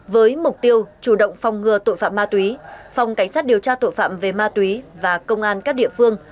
với mục tiêu chủ động phòng ngừa tội phạm ma túy phòng cảnh sát điều tra tội phạm về ma túy và công an các địa phương